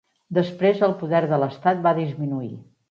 Després el poder de l'estat va disminuir.